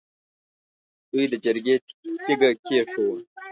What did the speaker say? دوی د جرګې تیګه کېښووه.